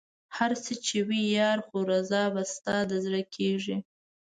هر څه چې وي ياره خو رضا به ستا د زړه کېږي